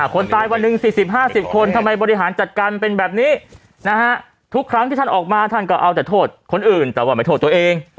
คนตายวันหนึ่ง๔๐๕๐คนทำไมบริหารจัดการเป็นแบบนี้นะฮะทุกครั้งที่ท่านออกมาท่านก็เอาแต่โทษคนอื่นแต่ว่าไม่โทษตัวเอง